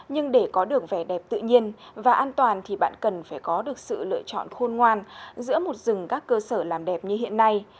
nhưng để có được vẻ đẹp tự nhiên và an toàn thì bạn cần phải có được sự lựa chọn khôn ngoan giữa một rừng các cơ sở làm đẹp như hiện nay